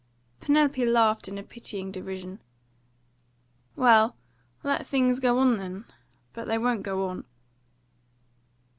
Penelope laughed in a pitying derision. "Well, let things go on then. But they won't go on."